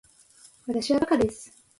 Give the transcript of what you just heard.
わたしはバカです